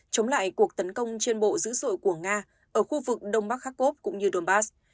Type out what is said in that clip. chống lại cuộc tấn công trên bộ dữ dội của nga ở khu vực đông bắc khắc cốp cũng như đồn bắc